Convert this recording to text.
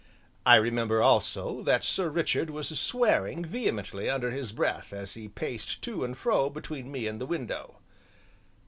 I remember also that Sir Richard was swearing vehemently under his breath as he paced to and fro between me and the window.